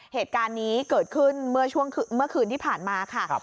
เหตุการณ์นี้เกิดขึ้นเมื่อคืนที่ผ่านมา